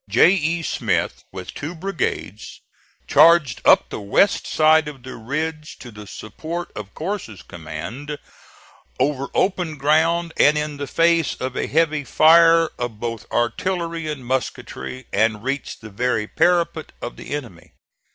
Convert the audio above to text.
J. E. Smith, with two brigades, charged up the west side of the ridge to the support of Corse's command, over open ground and in the face of a heavy fire of both artillery and musketry, and reached the very parapet of the enemy.